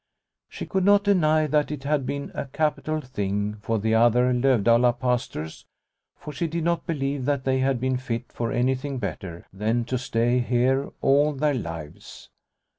She could not deny that it had been a capital thing for the other Lovdala pastors, for she did not believe that they had been fit for anything better than to stay here all their lives.